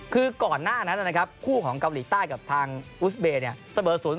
คือก่อนหน้านั้นนะครับคู่ของเกาหลีใต้กับทางอุสเบย์เสมอ๐